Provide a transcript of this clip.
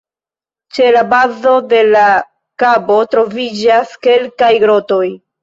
Ĉe la bazo de la kabo troviĝas kelkaj grotoj.